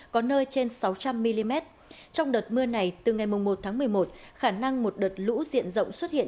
có nơi trên sáu trăm linh mm trong đợt mưa này từ ngày một tháng một mươi một khả năng một đợt lũ diện rộng xuất hiện